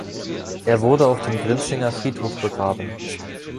Er wurde auf dem Grinzinger Friedhof begraben.